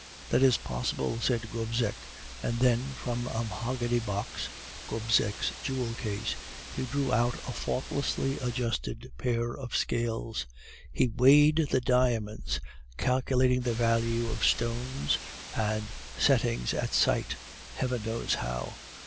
"'That is possible,' said Gobseck, and then from a mahogany box (Gobseck's jewel case) he drew out a faultlessly adjusted pair of scales! "He weighed the diamonds, calculating the value of stones and setting at sight (Heaven knows how!)